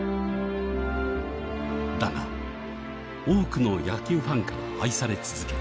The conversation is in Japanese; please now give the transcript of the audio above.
だが多くの野球ファンから愛され続けた